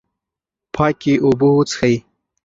پاکې اوبه وڅښئ.